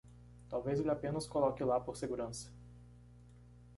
Talvez ele apenas coloque lá por segurança.